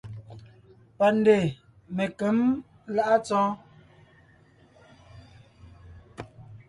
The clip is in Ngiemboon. Pandè Menkěm láʼa Tsɔɔ́n.